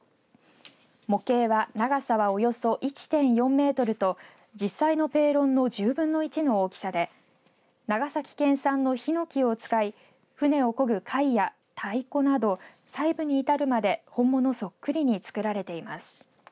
模型は長さはおよそ１．４メートルと実際のペーロンの１０分の１の大きさで長崎県産のひのきを使い船をこぐかいや太鼓など細部に至るまで本物そっくりに作られています。